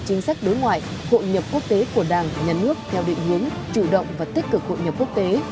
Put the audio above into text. chính sách đối ngoại hội nhập quốc tế của đảng nhà nước theo định hướng chủ động và tích cực hội nhập quốc tế